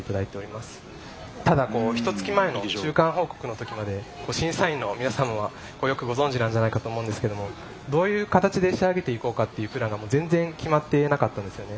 ただこうひとつき前の中間報告の時まで審査員の皆様はこうよくご存じなんじゃないかと思うんですけどもどういう形で仕上げていこうかっていうプランが全然決まってなかったんですよね。